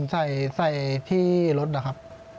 เขายิงไส้ที่รถนะครับ